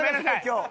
今日。